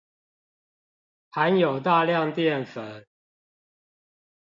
含有大量澱粉